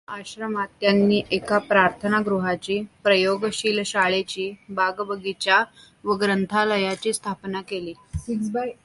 या आश्रमात त्यांनी एका प्रार्थना गृहाची, प्रयोग शील शाळेची, बागबगिचा व ग्रंथालयाची स्थापना केली.